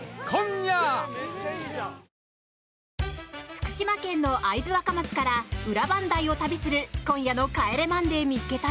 福島県の会津若松から裏磐梯を旅する今夜の「帰れマンデー見っけ隊！！」